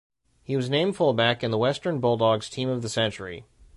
He was named full-back in the Western Bulldogs Team of the Century.